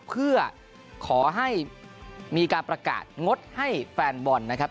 เพื่อขอให้มีการประกาศงดให้แฟนบอลนะครับ